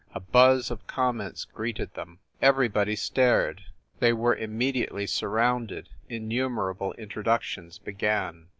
A buzz of comments greeted them. WYCHERLEY COURT 233 Everybody stared; they were immediately sur rounded, innumerable introductions began.